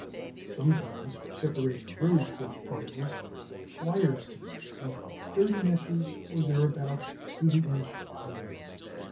Sometimes for separating very coarse particles wire sieves of 30 meshes, or thereabouts, to the inch are used.